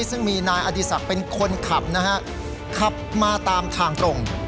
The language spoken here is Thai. ซึ่งมีนายอดีศักดิ์เป็นคนขับนะฮะขับมาตามทางตรง